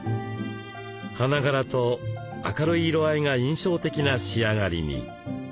花柄と明るい色合いが印象的な仕上がりに。